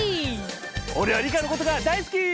おれはリカのことが大好き！